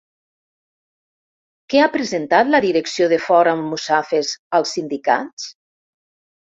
Què ha presentat la direcció de Ford Almussafes als sindicats?